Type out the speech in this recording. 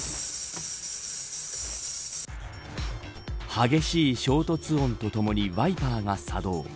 激しい衝突音とともにワイパーが作動。